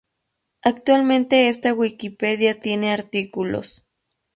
Actualmente esta Wikipedia tiene artículos.